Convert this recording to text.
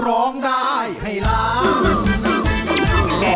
ร้องได้ให้ล้าน